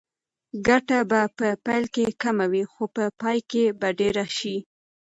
ګټه به په پیل کې کمه وي خو په پای کې به ډېره شي.